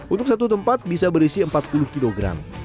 untuk satu tempat bisa berisi empat puluh kilogram